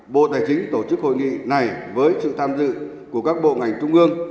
bộ tài chính tổ chức hội nghị này với sự tham dự của các bộ ngành trung ương